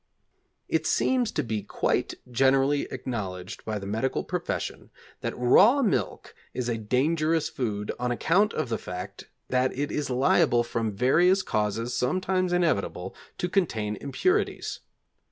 It seems to be quite generally acknowledged by the medical profession that raw milk is a dangerous food on account of the fact that it is liable from various causes, sometimes inevitable, to contain impurities.